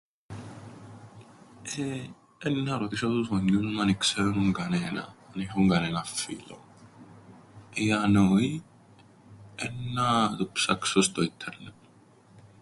Εεε, έννα ρωτήσω τους γονιούς μου αν ι-ξέρουν κανέναν, αν έχουν κανέναν φίλον, ή αν όι έννα το ψάξω στο ίττερνετ.